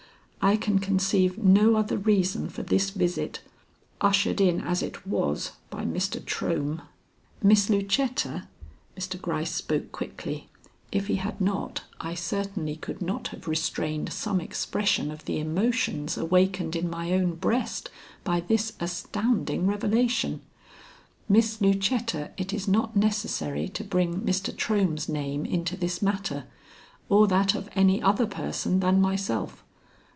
I can conceive no other reason for this visit, ushered in as it was by Mr. Trohm." "Miss Lucetta" Mr. Gryce spoke quickly; if he had not I certainly could not have restrained some expression of the emotions awakened in my own breast by this astounding revelation "Miss Lucetta, it is not necessary to bring Mr. Trohm's name into this matter or that of any other person than myself.